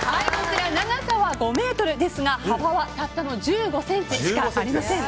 長さは５ｍですが幅はたったの１５ｃｍしかありません。